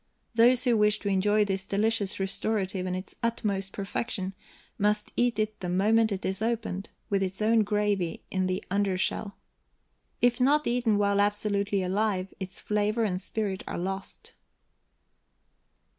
Those who wish to enjoy this delicious restorative in its utmost perfection must eat it the moment it is opened, with its own gravy in the under shell. If not eaten while absolutely alive, its flavor and spirit are lost.